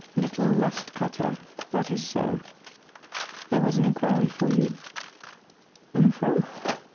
"Little lust cutter, that is so; there was an inquiry for you." "Whom from?"